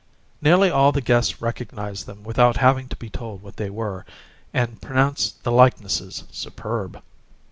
Nearly all the guests recognized them without having to be told what they were, and pronounced the likenesses superb.